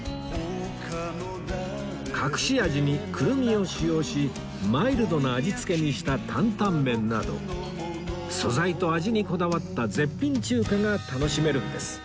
隠し味にクルミを使用しマイルドな味付けにした担々麺など素材と味にこだわった絶品中華が楽しめるんです